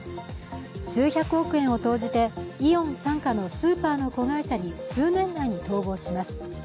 数百億円を投じてイオン傘下のスーパーの子会社に数年内に統合します。